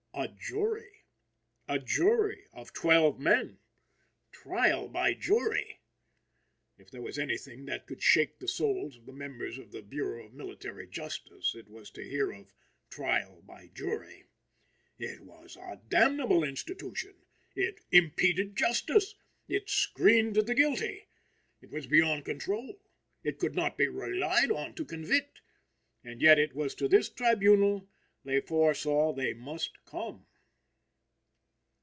A jury! A jury of twelve men! Trial by jury! If there was anything that could shake the souls of the members of the Bureau of Military Justice, it was to hear of trial by jury. It was a damnable institution. It impeded justice. It screened the guilty. It was beyond control. It could not be relied on to convict. And yet it was to this tribunal they foresaw they must come.